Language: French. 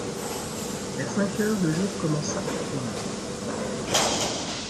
Vers cinq heures, le jour commença à poindre.